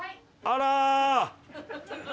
あら。